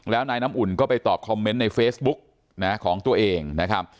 แล้วนายน้ำอุ่นก็ไปตอบคอมเมนต์ในเฟซบุ๊กของตัวเองนะครับ